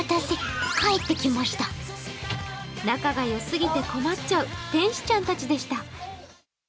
仲がよすぎて困っちゃう、天使ちゃんでした。